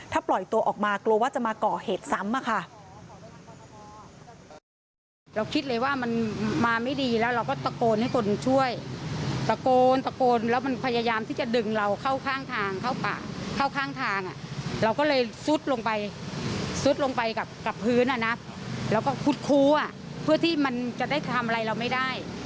ถ้าปล่อยตัวออกมากลัวว่าจะมาก่อเหตุซ้ำอะค่ะ